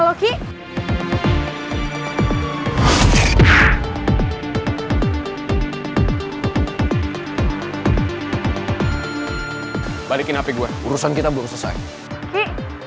sampai kapanpun gue akan pernah jauhin putri